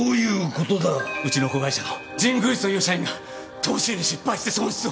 うちの子会社の神宮寺という社員が投資に失敗して損失を。